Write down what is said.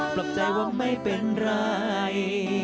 ปลอบใจว่าไม่เป็นไร